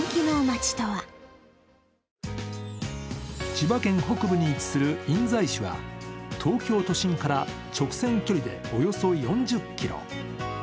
千葉県北部に位置する印西市は、東京都心から直線距離でおよそ４０ｋｍ。